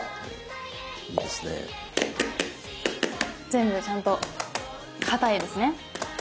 全部ちゃんとかたいですね。